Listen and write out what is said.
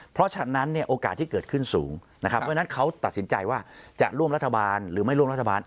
เพราะฉะนั้นเนี่ยโอกาสที่เกิดขึ้นสูงนะครับเพราะฉะนั้นเขาตัดสินใจว่าจะร่วมรัฐบาลหรือไม่ร่วมรัฐบาล